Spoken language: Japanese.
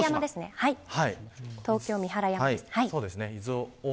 東京、三原山です。